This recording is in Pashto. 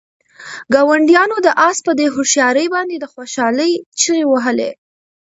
ګاونډیانو د آس په دې هوښیارۍ باندې د خوشحالۍ چیغې وهلې.